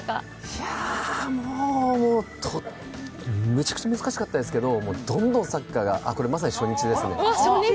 いや、もう、めちゃくちゃ難しかったですけどどんどんサッカーがこれ、まさに初日ですね。